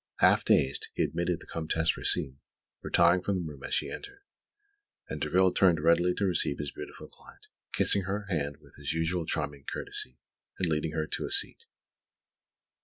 Half dazed, he admitted the Comtesse Rosine, retiring from the room as she entered; and Derville turned readily to receive his beautiful client, kissing her hand with his usual charming courtesy and leading her to a seat.